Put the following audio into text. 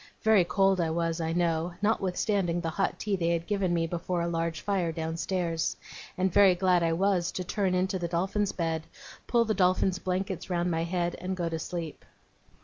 Very cold I was, I know, notwithstanding the hot tea they had given me before a large fire downstairs; and very glad I was to turn into the Dolphin's bed, pull the Dolphin's blankets round my head, and go to sleep.